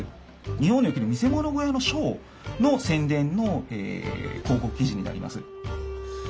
日本における見せ物小屋のショーの宣伝の広告記事になります。